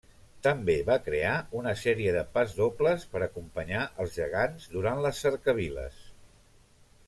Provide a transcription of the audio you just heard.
També va crear una sèrie de pasdobles per acompanyar els gegants durant les cercaviles.